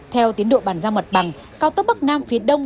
theo tiến độ bàn giao mặt bằng cao tốc bắc nam phía đông